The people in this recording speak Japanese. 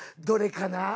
どれかな？